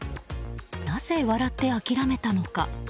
なぜ笑って諦めたのか？